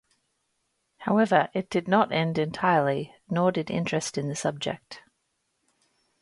However it did not end entirely nor did interest in the subject.